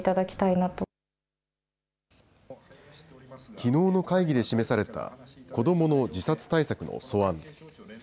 きのうの会議で示された子どもの自殺対策の素案。